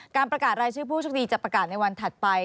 การประกาศรายชื่อผู้โชคดีจะประกาศในวันถัดไป